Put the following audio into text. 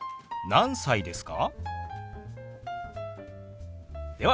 何歳ですか？